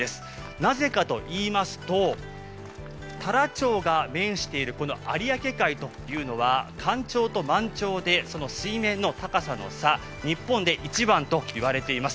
なぜかといいますと、太良町が面しているこの有明海というのは干潮と満潮で水面の高さの差、日本で一番と言われています。